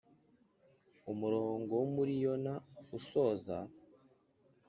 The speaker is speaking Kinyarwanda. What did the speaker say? Umurongo wo muri Yohana usoza